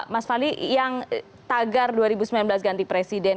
mas fadli yang tagar dua ribu sembilan belas ganti presiden